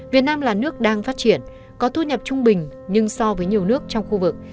việt nam là nước đang phát triển có thu nhập trung bình nhưng so với nhiều nước trong khu vực